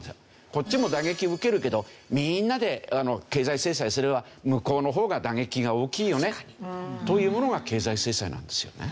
こっちも打撃を受けるけどみんなで経済制裁すれば向こうの方が打撃が大きいよねというものが経済制裁なんですよね。